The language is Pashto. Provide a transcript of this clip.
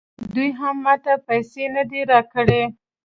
دوی هم ماته پیسې نه دي راکړي